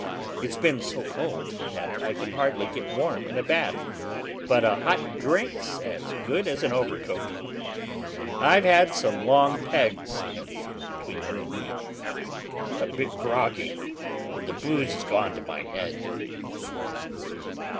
It's been so cold that I can hardly get warm in a bath, but a hot drink's as good as an overcoat: I've had some long pegs, and between you and me, I'm a bit groggy; the booze has gone to my head."